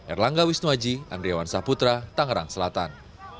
erlangga wisnuaji andriawan saputra tangerang selatan